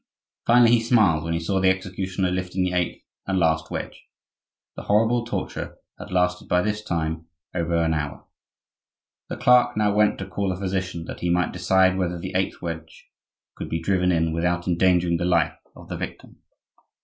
Finally, he smiled when he saw the executioner lifting the eighth and last wedge. This horrible torture had lasted by this time over an hour. The clerk now went to call the physician that he might decide whether the eighth wedge could be driven in without endangering the life of the victim.